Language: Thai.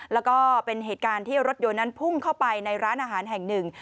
แล้วก็เป็นเหตุการณ์ที่รถยนต์นั้นพุ่งเข้าไปในร้านอาหารแห่งหนึ่ง